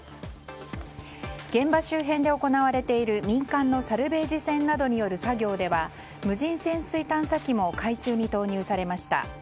現場周辺で行われている民間のサルベージ船などによる作業では無人潜水探査機も海中に投入されました。